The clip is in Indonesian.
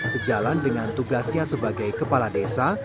sejalan dengan tugasnya sebagai kepala desa